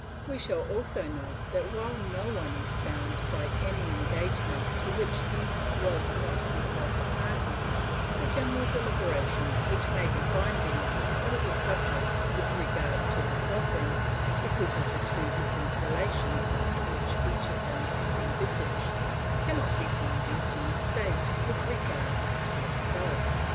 We shall also note that while no one is bound by any engagement to which he was not himself a party, the general deliberation which may be binding on all the subjects with regard to the sovereign, because of the two different relations under which each of them is envisaged, cannot be binding on the state with regard to itself.